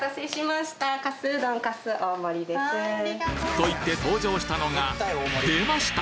と言って登場したのがでました！